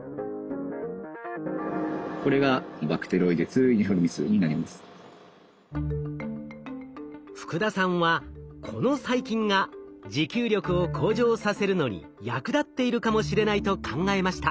これが福田さんはこの細菌が持久力を向上させるのに役立っているかもしれないと考えました。